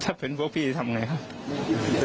ถ้าเป็นพวกพี่จะทำไงครับ